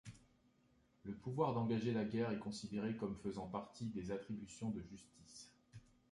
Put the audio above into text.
Le pouvoir d'engager la guerre est considéré comme faisant partie des attributions de justice.